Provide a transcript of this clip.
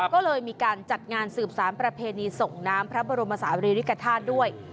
ก็เลยมีการจัดงานสืบสารประเพณีส่งน้ำพระบรมศาลีริกฐาตุด้วย